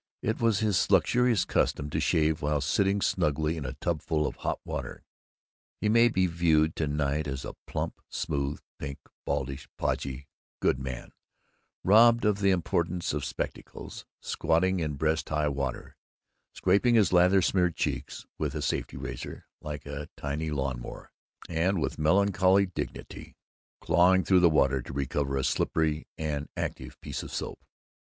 It was his luxurious custom to shave while sitting snugly in a tubful of hot water. He may be viewed to night as a plump, smooth, pink, baldish, podgy goodman, robbed of the importance of spectacles, squatting in breast high water, scraping his lather smeared cheeks with a safety razor like a tiny lawn mower, and with melancholy dignity clawing through the water to recover a slippery and active piece of soap.